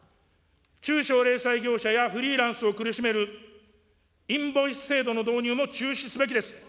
中小零細業者やフリーランスを苦しめるインボイス制度の導入も中止すべきです。